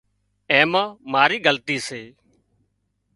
آنئين مان مارِي غلطي سي